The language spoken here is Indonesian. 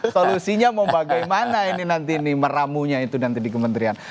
solusinya mau bagaimana ini nanti ini meramunya itu nanti di kementerian